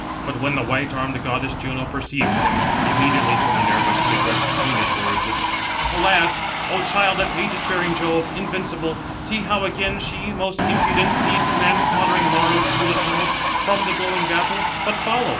But when the white armed goddess Juno perceived him, immediately to Minerva she addressed winged words: "Alas! O child of aegis bearing Jove, invincible, see how again she, most impudent, leads man slaughtering Mars through the tumult, from the glowing battle. But follow."